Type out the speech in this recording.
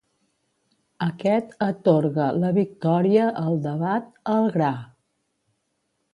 Aquest atorga la victòria al debat al gra.